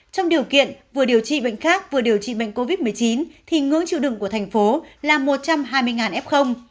trong điều kiện vừa điều trị bệnh khác vừa điều trị bệnh covid một mươi chín thì ngưỡng chịu đựng của thành phố là một trăm hai mươi f